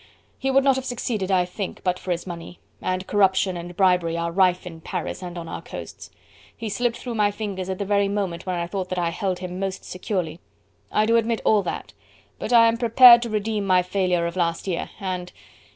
He would not have succeeded, I think, but for his money and corruption and bribery are rife in Paris and on our coasts. He slipped through my fingers at the very moment when I thought that I held him most securely. I do admit all that, but I am prepared to redeem my failure of last year, and...